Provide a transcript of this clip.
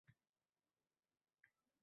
Mana uyim keng-mo`l, xotirjam va fayzli